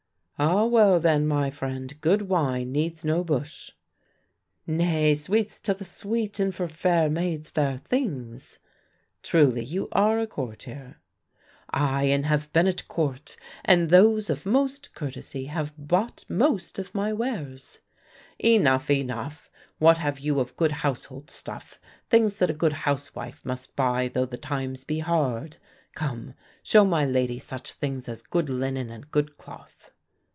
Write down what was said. "Ah well then, my friend, good wine needs no bush." "Nay, sweets to the sweet, and for fair maids fair things." "Truly you are a courtier." "Ay, and have been at court, and those of most courtesy have bought most of my wares." "Enough, enough, what have you of good household stuff, things that a good housewife must buy though the times be hard. Come, show my lady such things as good linen and good cloth."